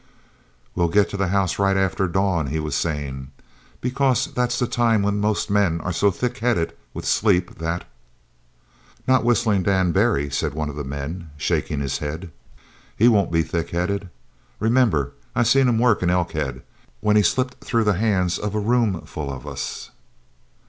"We'll get to the house right after dawn," he was saying, "because that's the time when most men are so thick headed with sleep that " "Not Whistling Dan Barry," said one of the men, shaking his head. "He won't be thick headed. Remember, I seen him work in Elkhead, when he slipped through the hands of a roomful of us."